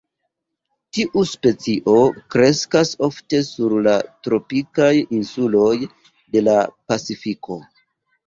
Tiu specio kreskas ofte sur la tropikaj insuloj de la Pacifiko.